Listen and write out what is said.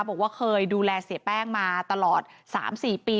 บอกว่าเคยดูแลเสียแป้งมาตลอด๓๔ปี